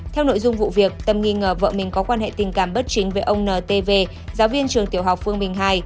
theo nội dung vụ việc tâm nghi ngờ vợ mình có quan hệ tình cảm bất chính với ông ntv giáo viên trường tiểu học phương bình ii